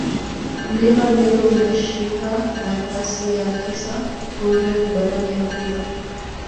Mlima Meru unashika nafasi ya tisa kwa urefu barani Afrika